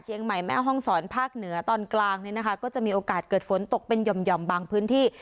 เชียงใหม่แม่ห้องสอนภาคเหนือตอนกลางนี้นะคะก็จะมีโอกาสเกิดฝนตกเป็นหย่อมหย่อมบางพื้นที่